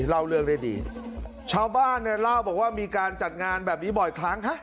เล่าเรื่องได้ดีชาวบ้านเนี่ยเล่าบอกว่ามีการจัดงานแบบนี้บ่อยครั้งฮะ